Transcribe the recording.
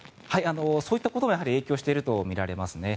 そういったことも影響しているとみられますね。